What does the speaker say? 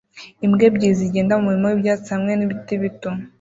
Imbwa ebyiri zigenda mumurima wibyatsi hamwe nibiti bito